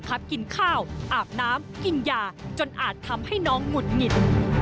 กินข้าวอาบน้ำกินยาจนอาจทำให้น้องหงุดหงิด